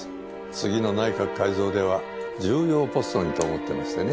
次の内閣改造では重要ポストにと思ってましてね。